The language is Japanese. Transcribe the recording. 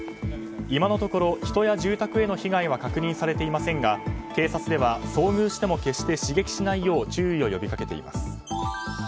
今のところ人や住宅への被害は確認されていませんが警察では遭遇しても決して刺激しないよう注意を呼び掛けています。